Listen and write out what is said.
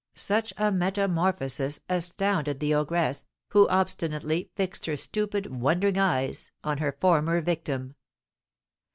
Such a metamorphosis astounded the ogress, who obstinately fixed her stupid, wondering eyes on her former victim.